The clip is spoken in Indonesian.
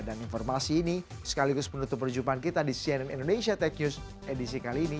dan informasi ini sekaligus menutup perjumpaan kita di cnn indonesia tech news edisi kali ini